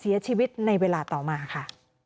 เสียชีวิตในเวลาต่อมาค่ะ